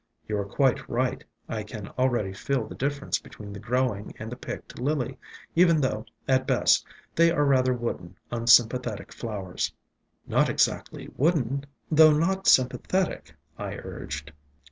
You are quite right. I can already feel the difference between the grow ing and the picked Lily, even though, at best, they are rather wooden, unsympathetic flowers." "Not exactly wooden, though not sympathetic," I urged.